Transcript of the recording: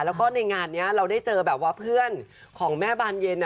แล้วก็ในงานนี้เราได้เจอแบบว่าเพื่อนของแม่บานเย็น